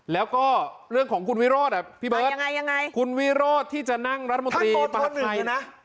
แล้วก็เรื่องของคุณวิโรศน์พี่เบิร์ตคุณวิโรศน์ที่จะนั่งรัฐมนตรีมหาศัย